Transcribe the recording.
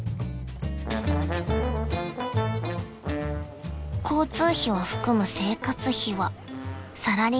［交通費を含む生活費はサラリーマン時代の貯金から］